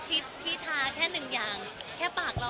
ที่ทาแค่หนึ่งอย่างแค่ปากเรา